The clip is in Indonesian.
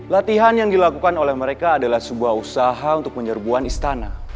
latihan yang dilakukan oleh mereka adalah sebuah usaha untuk menyerbuan istana